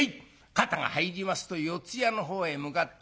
肩が入りますと四ッ谷のほうへ向かって。